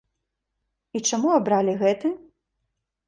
І чаму абралі гэты?